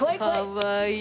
かわいい。